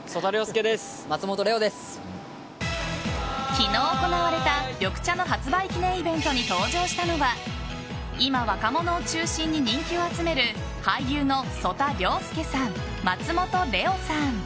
昨日行われた緑茶の発売記念イベントに登場したのは今、若者を中心に人気を集める俳優の、曽田陵介さん松本怜生さん。